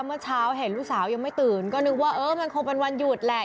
เมื่อเช้าเห็นลูกสาวยังไม่ตื่นก็นึกว่าเออมันคงเป็นวันหยุดแหละ